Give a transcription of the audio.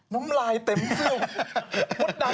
มันลายเต็มซึ่ง